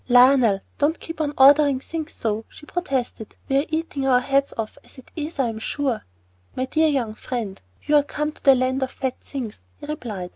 "Lionel, don't keep on ordering things so," she protested. "We are eating our heads off as it is, I am sure." "My dear young friend, you are come to the Land of Fat Things," he replied.